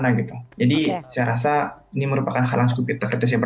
gitu ini bagus nih